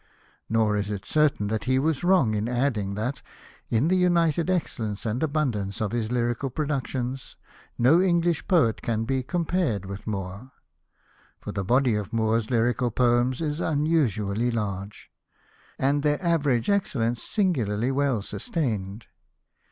Nor is it certain that he was wrong in adding that, in the united excellence and abundance of his lyrical productions, no English poet can be compared with Moore. For the body of Moore's lyrical poems is unusually large, and their average excellence singularly well sustained.